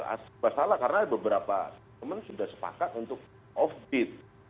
asallah karena beberapa teman sudah sepakat untuk off beat